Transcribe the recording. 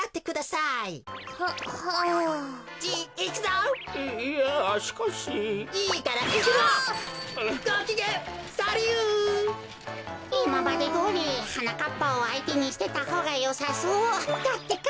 いままでどおりはなかっぱをあいてにしてたほうがよさそうだってか。